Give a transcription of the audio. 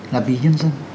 là vì nhân dân